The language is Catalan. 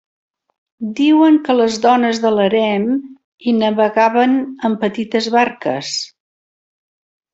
Diuen que les dones de l'harem hi navegaven amb petites barques.